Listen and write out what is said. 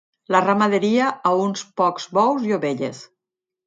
La ramaderia a uns pocs bous i ovelles.